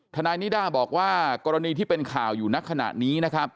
คณะนิด้าบอกว่ากรณีที่เป็นข่าวอยู่นักขณะนี้